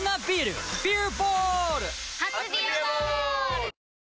初「ビアボール」！